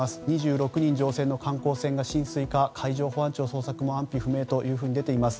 ２６人乗船の観光船が浸水か海上保安庁捜索も安否不明というふうに出ています。